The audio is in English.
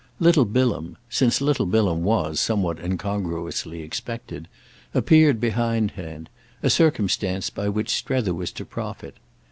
Little Bilham—since little Bilham was, somewhat incongruously, expected—appeared behindhand; a circumstance by which Strether was to profit.